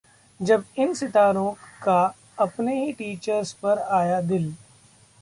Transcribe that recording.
जब इन सितारों का अपने ही टीचर्स पर आया दिल